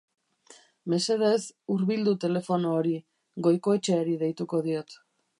Mesedez, hurbildu telefono hori, Goikoetxeari deituko diot.